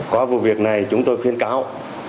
qua vụ việc này chúng tôi khuyên cáo